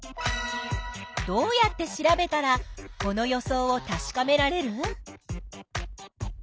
どうやって調べたらこの予想をたしかめられる？